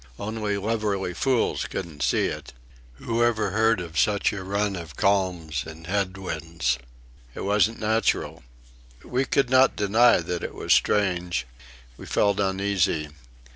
Only lubberly fools couldn't see it. Whoever heard of such a run of calms and head winds? It wasn't natural.... We could not deny that it was strange. We felt uneasy.